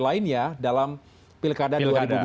lainnya dalam pilkada